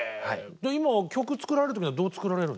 今は曲を作られる時にはどう作られるんですか？